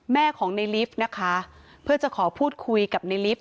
แม่ของในลิฟต์นะคะเพื่อจะขอพูดคุยกับในลิฟต์